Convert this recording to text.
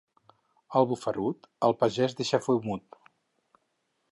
El bufarut, al pagès deixa fumut.